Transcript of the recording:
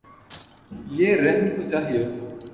یہ رہنی تو چاہیے۔